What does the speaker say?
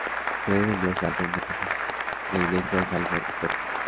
Creer en Dios es algo metafísico, la Iglesia es algo histórico.